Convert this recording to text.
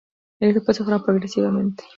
El grupo se forma progresivamente.